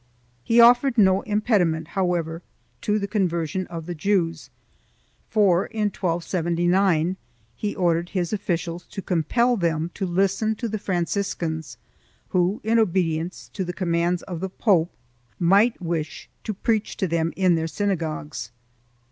2 He offered no impediment, however, to the conversion of the Jews for, in 1279, he ordered his officials to compel them to listen to the Franciscans, who, in obedience to the commands of the pope, might wish to preach to them in their synagogues.